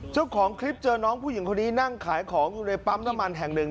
เจ้าของคลิปเจอน้องผู้หญิงคนนี้นั่งขายของอยู่ในปั๊มน้ำมันแห่งหนึ่ง